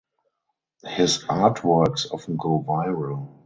His artworks often go viral.